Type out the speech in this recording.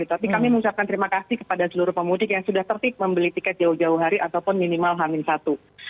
tapi kami mengucapkan terima kasih kepada seluruh pemudik yang sudah tertip membeli tiket jauh jauh hari ataupun minimal hamil satu